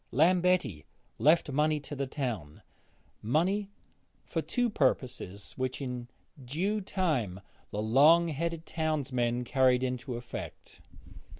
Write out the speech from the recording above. Lambetti left money to the town, money for two purposes which in due time the long headed townsmen carried into effect.